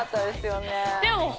でも。